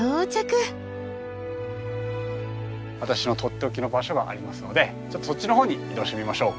私のとっておきの場所がありますのでそっちの方に移動してみましょう。